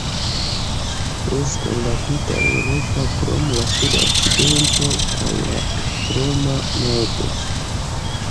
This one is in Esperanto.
Preskaŭ la tuta Eŭropo krom la sud-okcidento kaj la ekstrema nordo.